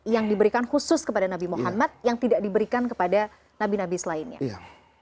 yang diberikan khusus kepada nabi muhammad yang tidak diberikan kepada nabi nabi selainnya